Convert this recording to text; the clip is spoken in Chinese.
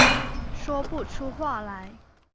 说不出话来